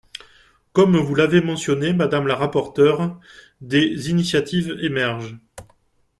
Comme vous l’avez mentionné, madame la rapporteure, des initiatives émergent.